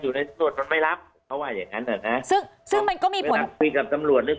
คุยกับสำรวจนะพอคุยกับพนักงานสอบสวนเนี่ย